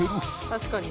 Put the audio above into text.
確かに。